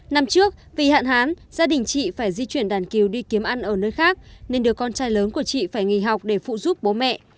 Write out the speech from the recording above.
năm trước vì hạn hán gia đình chị phải di chuyển đàn kiều đi kiếm ăn ở nơi khác nên đứa con trai lớn của chị phải nghỉ học để phụ giúp bố mẹ